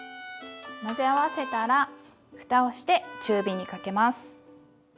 混ぜ合わせたらふたをして中火にかけます。